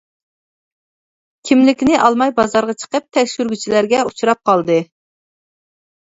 كىملىكىنى ئالماي بازارغا چىقىپ، تەكشۈرگۈچىلەرگە ئۇچراپ قالدى.